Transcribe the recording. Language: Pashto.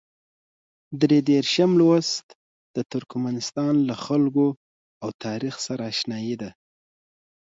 درې دېرشم لوست د ترکمنستان له خلکو او تاریخ سره اشنايي ده.